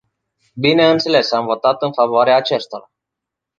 Bineînțeles, am votat în favoarea acestora.